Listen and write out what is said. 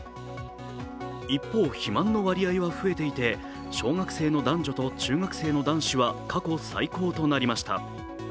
一方、肥満の割合は増えていて、小学生の男女と中学生の男子は過去最高となりました。